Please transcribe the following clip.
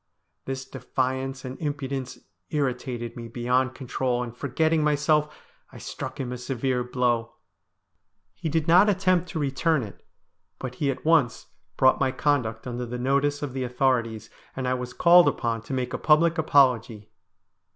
This defiance and impudence irritated me beyond control, and forgetting myself I struck him a severe blow. He did not attempt to return it, but he at once brought my THE STORY OF A HANGED MAN 281 conduct under the notice of the authorities, and I was called upon to make a public apology.